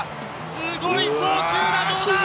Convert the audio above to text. すごい送球だ、どうだ。